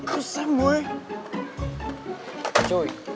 keren sam boy